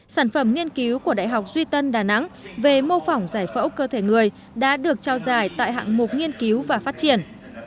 sản phẩm nghiên cứu của đại học duy tân đà nẵng về mô phỏng giải phẫu cơ thể người đã được trao giải tại hạng mục nghiên cứu và phát triển